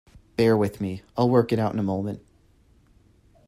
Bear with me; I'll work it out in a moment.